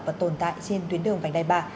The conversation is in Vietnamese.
và tồn tại trên tuyến đường vành nai ba